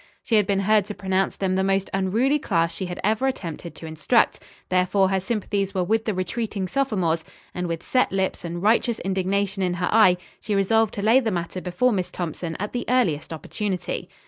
She had been heard to pronounce them the most unruly class she had ever attempted to instruct. Therefore her sympathies were with the retreating sophomores, and with set lips and righteous indignation in her eye, she resolved to lay the matter before Miss Thompson, at the earliest opportunity.